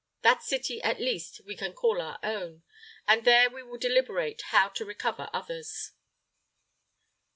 That city, at least, we can call our own, and there we will deliberate how to recover others."